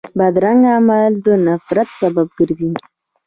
بدرنګه عمل د نفرت سبب ګرځي